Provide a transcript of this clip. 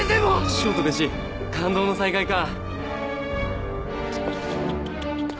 師匠と弟子感動の再会か。